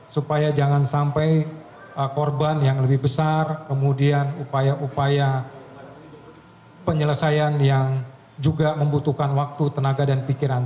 supaya jangan sampai korban yang lebih besar kemudian upaya upaya penyelesaian yang juga membutuhkan waktu tenaga dan pikiran